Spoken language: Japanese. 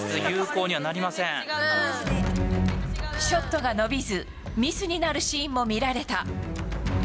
ショットが伸びずミスになるシーンも見られた。